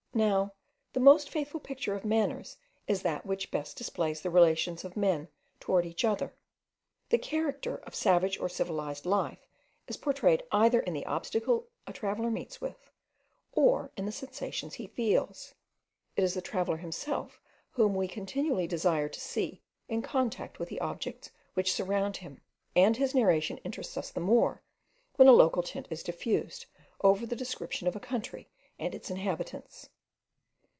Now, the most faithful picture of manners is that which best displays the relations of men towards each other. The character of savage or civilized life is portrayed either in the obstacles a traveller meets with, or in the sensations he feels. It is the traveller himself whom we continually desire to see in contact with the objects which surround him; and his narration interests us the more, when a local tint is diffused over the description of a country and its inhabitants.